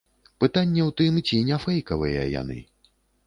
Пытанне ў тым, ці не фэйкавыя яны.